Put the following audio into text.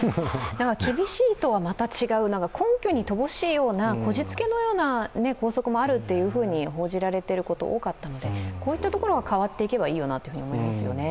厳しいとはまた違う、根拠に乏しいようなこじつけのような校則もあると報じられていることが多かったので、こういったところが変わっていけばいいなと思いますよね。